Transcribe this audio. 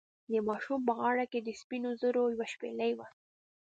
د ماشوم په غاړه کې د سپینو زرو یوه شپیلۍ وه.